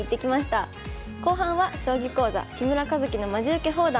後半は将棋講座「木村一基のまじウケ放談」。